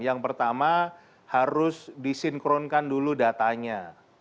yang pertama harus disinkronkan dulu datanya